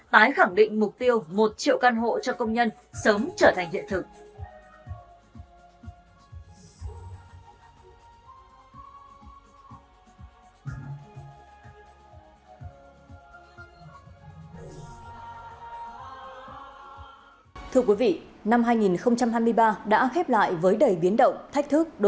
tái khẳng định mục tiêu một triệu căn hộ cho công nhân sớm trở thành hiện thực